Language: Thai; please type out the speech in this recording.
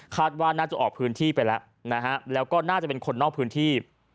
ว่าน่าจะออกพื้นที่ไปแล้วนะฮะแล้วก็น่าจะเป็นคนนอกพื้นที่